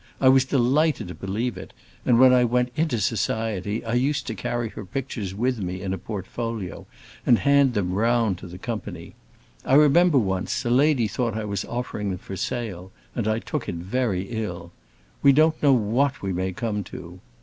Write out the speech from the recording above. I was delighted to believe it, and when I went into society I used to carry her pictures with me in a portfolio and hand them round to the company. I remember, once, a lady thought I was offering them for sale, and I took it very ill. We don't know what we may come to!